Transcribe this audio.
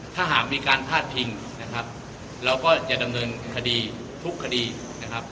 ถ้าหากมีการพาดพิงนะครับเราก็จะดำเนินคดีทุกคดีนะครับ